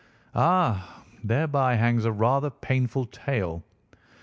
"Ah, thereby hangs a rather painful tale.